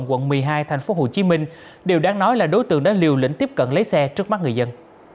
quận một mươi hai tp hcm điều đáng nói là đối tượng đã liều lĩnh tiếp cận lấy xe trước mắt người dân